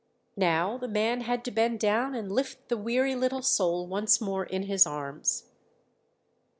Now the man had to bend down and lift the weary little soul once more in his arms.